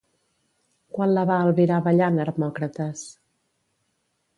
Quan la va albirar ballant Hermòcrates?